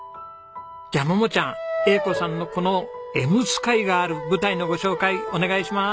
じゃあ桃ちゃん栄子さんのこの笑夢空がある舞台のご紹介お願いします。